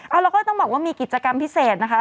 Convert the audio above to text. เอาเราก็ต้องบอกว่ามีกิจกรรมพิเศษนะคะ